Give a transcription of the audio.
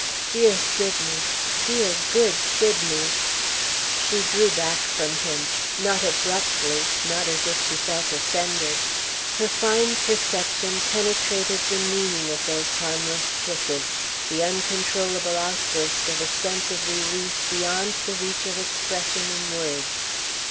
"Dear Sydney! dear, good Sydney!" She drew back from him; not abruptly, not as if she felt offended. Her fine perception penetrated the meaning of those harmless kisses the uncontrollable outburst of a sense of relief beyond the reach of expression in words.